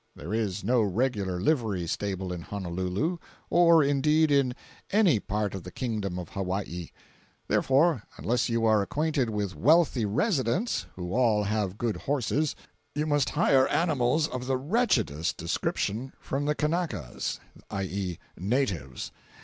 There is no regular livery stable in Honolulu, or, indeed, in any part of the Kingdom of Hawaii; therefore unless you are acquainted with wealthy residents (who all have good horses), you must hire animals of the wretchedest description from the Kanakas. (i.e. natives.)